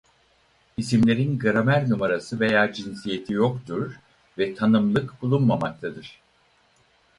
İsimlerin gramer numarası veya cinsiyeti yoktur ve tanımlık bulunmamaktadır.